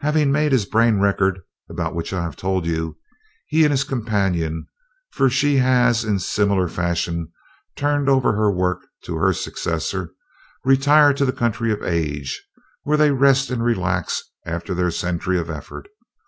"Having made his brain record, about which I have told you, he and his companion for she has in similar fashion turned over her work to her successor retire to the Country of Age, where they rest and relax after their century of effort.